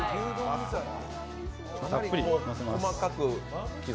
たっぷりのせます。